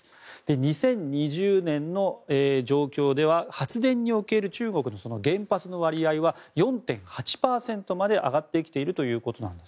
２０２０年の状況では発電における中国の原発の割合は４．８％にまで上がってきているということで